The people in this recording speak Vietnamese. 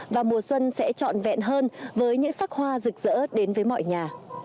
và mùa xuân sẽ trọn vẹn hơn với những sắc hoa rực rỡ đến với mọi nhà